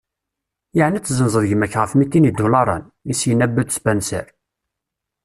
Yeɛni ad tezzenzeḍ gma-k ɣef mitin idularen? i s-yenna Bud Spencer.